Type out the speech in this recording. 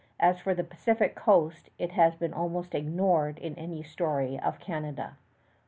As for the Pacific coast, it has been almost ignored in any story of Canada.